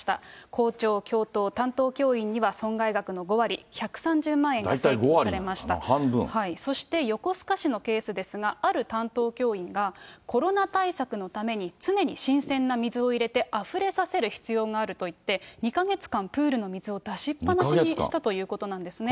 校長、教頭、担当教員には損害額の５割、大体５割、そして横須賀市のケースですが、ある担当教員が、コロナ対策のために、常に新鮮な水を入れて、あふれさせる必要があるといって、２か月間プールの水を出しっぱなしにしたということなんですね。